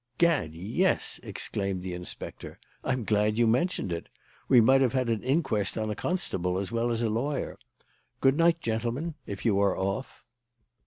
"Gad, yes!" exclaimed the inspector. "I'm glad you mentioned it. We might have had an inquest on a constable as well as a lawyer. Good night, gentlemen, if you are off."